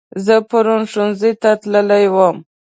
زه پرون ښوونځي ته تللی وم